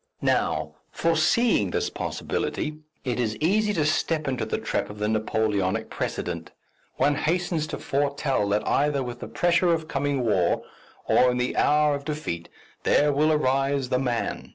Now, foreseeing this possibility, it is easy to step into the trap of the Napoleonic precedent. One hastens to foretell that either with the pressure of coming war, or in the hour of defeat, there will arise the Man.